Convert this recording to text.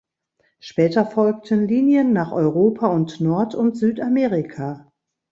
Später folgten Linien nach Europa und Nord- und Südamerika.